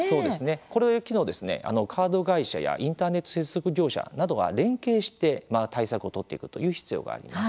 この機能、カード会社やインターネット接続業者などが連携して対策を取っていくという必要があります。